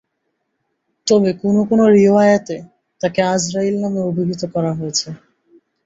তবে কোন কোন রিওয়ায়েতে তাকে আযরাঈল নামে অভিহিত করা হয়েছে।